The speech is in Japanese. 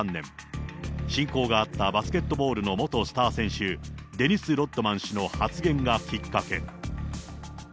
親交があったバスケットボールの元スター選手、デニス・ロッドマン氏の発言がきっかけ。